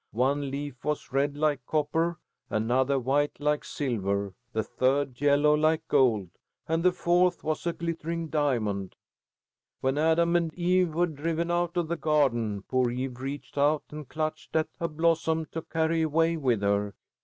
One leaf was red like copper, another white like silver, the third yellow like gold, and the fourth was a glittering diamond. When Adam and Eve were driven out of the garden, poor Eve reached out and clutched at a blossom to carry away with her.